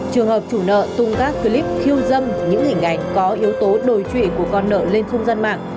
trường hợp chủ nợ tung các clip khiêu dâm những hình ảnh có yếu tố đổi trụy của con nợ lên không gian mạng